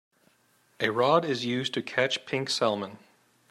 A rod is used to catch pink salmon.